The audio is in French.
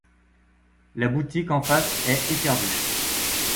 La boutique en face est éperdue.